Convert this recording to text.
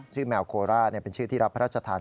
แมวโคราชเป็นชื่อที่รับพระราชทาน